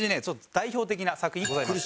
代表的な作品ございます。